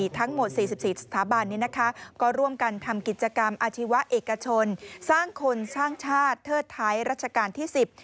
ทั้งหมด๔๔สถาบันนี้นะคะก็ร่วมกันทำกิจกรรมอาชีวะเอกชนสร้างคนสร้างชาติเทิดท้ายรัชกาลที่๑๐